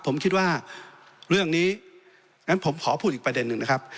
ผมคิดว่าเรื่องนี้งั้นผมขอพูดอีกประเด็นหนึ่งนะครับ